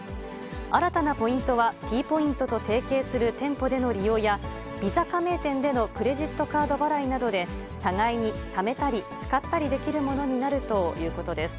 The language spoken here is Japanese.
新たなポイントはＴポイントと提携する店舗での利用や、ＶＩＳＡ加盟店でのクレジットカード払いなどで、互いにためたり使ったりできるものになるということです。